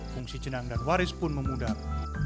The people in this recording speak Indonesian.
fungsi jenang dan waris pun memudar